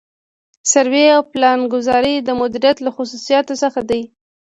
سروې او پلانګذاري د مدیریت له خصوصیاتو څخه دي.